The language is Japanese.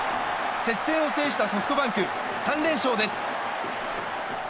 接戦を制したソフトバンク３連勝です。